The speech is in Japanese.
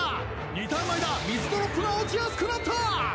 ２ターンの間水ドロップが落ちやすくなった！